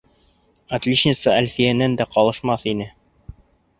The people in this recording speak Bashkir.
Отличница Әлфиәнән дә ҡалышмаҫ ине.